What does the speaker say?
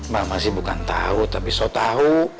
mama sih bukan tahu tapi so tahu